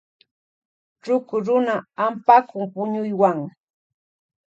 Ruku runa ampakun puñuywan.